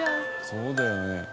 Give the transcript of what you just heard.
そうだよね。